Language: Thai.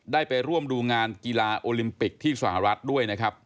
ได้ไปร่วมดูงานกีฬาโอลิมปิกที่สหรัฐด้วยนะครับ